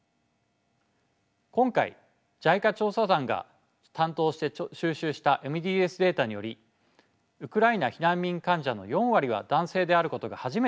今回ＪＩＣＡ調査団が担当して収集したＭＤＳデータによりウクライナ避難民患者の４割は男性であることが初めて分かりました。